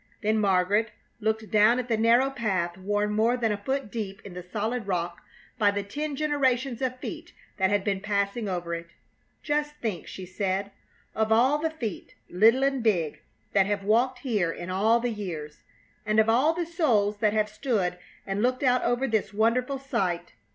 Then Margaret looked down at the narrow path worn more than a foot deep in the solid rock by the ten generations of feet that had been passing over it. "Just think," she said, "of all the feet, little and big, that have walked here in all the years, and of all the souls that have stood and looked out over this wonderful sight!